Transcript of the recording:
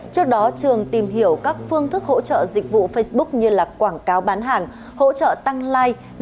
trước đó trường tìm hiểu các phương thức hỗ trợ dịch vụ facebook như là quảng cáo bán hàng hỗ trợ tăng like